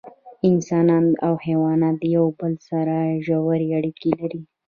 انسانان او حیوانات د یو بل سره ژوی اړیکې لري